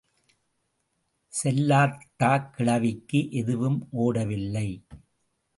செல்லாத்தாக் கிழவிக்கு எதுவும் ஓடவில்லை.